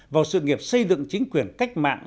vào sự nghiệp xây dựng chính quyền cách mạng